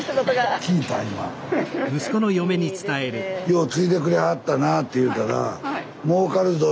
「よう継いでくれはったな」って言うたら「『もうかるぞ！』